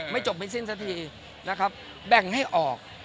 จบไม่สิ้นสักทีนะครับแบ่งให้ออก